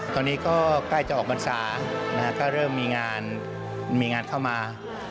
ตอนนี้ก็ใกล้จะออกบรรษานะครับก็เริ่มมีงานเข้ามา